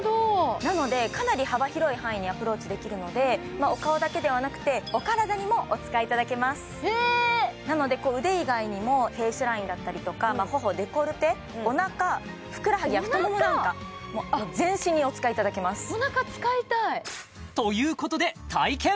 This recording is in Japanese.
なのでかなり幅広い範囲にアプローチできるのでお顔だけではなくてお体にもお使いいただけますなので腕以外にもフェイスラインだったりとか頬デコルテおなかふくらはぎや太ももなんかもう全身にお使いいただけますということで体験